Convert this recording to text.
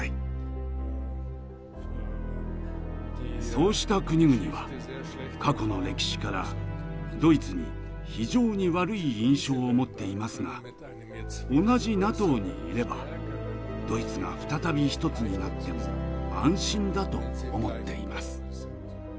そうした国々は過去の歴史からドイツに非常に悪い印象を持っていますが同じＮＡＴＯにいればドイツが再び１つになっても安心だと思っています。